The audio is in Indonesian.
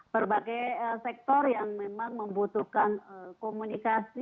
berbagai sektor yang memang membutuhkan komunikasi